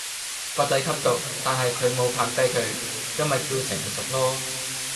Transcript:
個仔吸毒但係佢無拍低佢，咁咪叫成熟囉